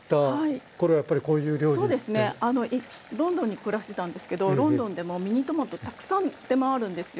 ロンドンに暮らしてたんですけどロンドンでもミニトマトたくさん出回るんですよ。